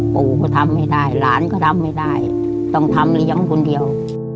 ปู่ก็ทำไม่ได้หลานก็ทำไม่ได้ต้องทำเลี้ยงคนเดียว